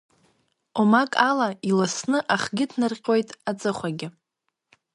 Омак ала иласны ахгьы ҭнарҟьоит, аҵыхәагьы.